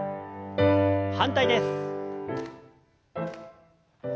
反対です。